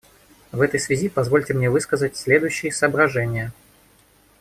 В этой связи позвольте мне высказать следующие соображения.